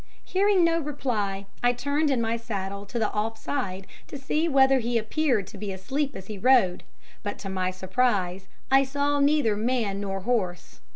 Hearing no reply, I turned in my saddle to the off side, to see whether he appeared to be asleep as he rode, but to my surprise I saw neither man nor horse.